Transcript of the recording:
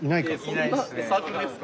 いないですね。